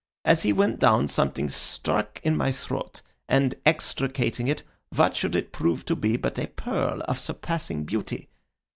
As he went down something stuck in my throat, and, extricating it, what should it prove to be but a pearl of surpassing beauty.